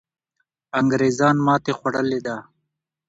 انګریزان ماتې خوړلې ده.